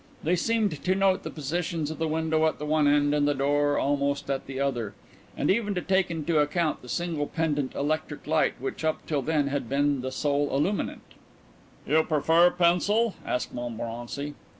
They seemed to note the positions of the window at the one end and the door almost at the other, and even to take into account the single pendent electric light which up till then had been the sole illuminant. "You prefer pencil?" asked Montmorency.